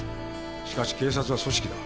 しかし警察は組織だ。